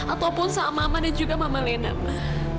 ataupun sama mama dan juga mama lena ma